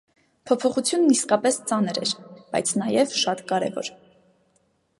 Փոփոխությունն իսկապես ծանր է, բայց նաև շատ կարևոր։